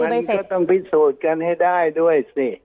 มันก็ต้องพิสูจน์กันให้ได้ด้วยสิ